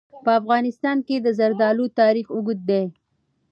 په افغانستان کې د زردالو تاریخ اوږد دی.